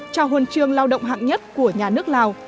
trao huân trường lao động hạng nhất của nhà nước lào